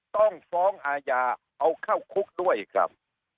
ต้องฟ้องอาญาเอาเข้าคุกด้วยครับ